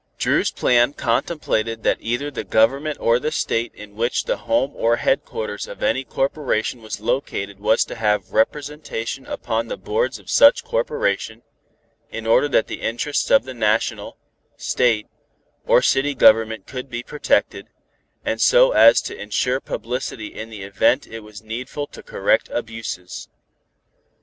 Dru's plan contemplated that either the Government or the State in which the home or headquarters of any corporation was located was to have representation upon the boards of such corporation, in order that the interests of the National, State, or City Government could be protected, and so as to insure publicity in the event it was needful to correct abuses.